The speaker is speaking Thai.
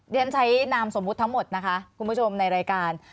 ฉันใช้นามสมมุติทั้งหมดนะคะคุณผู้ชมในรายการ